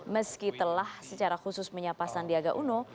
meski telah secara khusus menyapa sandiaga uno